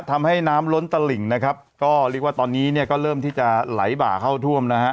ทำให้น้ำล้นตลิ่งนะครับก็เรียกว่าตอนนี้เนี่ยก็เริ่มที่จะไหลบ่าเข้าท่วมนะฮะ